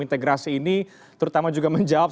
integrasi ini terutama juga menjawab